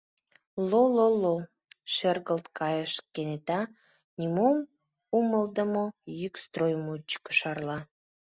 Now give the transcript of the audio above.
— Ло-ло-ло! — шергылт кайыш кенета, нимом умылыдымо йӱк строй мучко шарла.